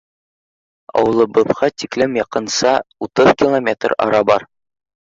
Ауылыбыҙға тиклем яҡынса утыҙ километр ара бар.